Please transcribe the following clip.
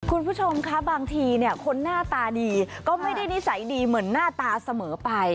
คุณผู้ชมคะบางทีเนี่ยคนหน้าตาดีก็ไม่ได้นิสัยดีเหมือนหน้าตาเสมอไป